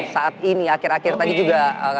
saat ini akhir akhir tadi juga